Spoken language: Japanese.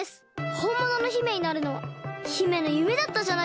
ほんものの姫になるのは姫のゆめだったじゃないですか！